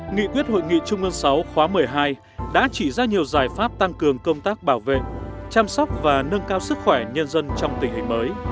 nghị quyết hội nghị trung ương sáu khóa một mươi hai đã chỉ ra nhiều giải pháp tăng cường công tác bảo vệ chăm sóc và nâng cao sức khỏe nhân dân trong tình hình mới